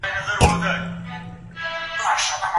موږ کولای سو چي په سافټویر کي نوښتونه راولو.